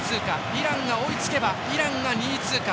イランが追いつけばイランが２位通過。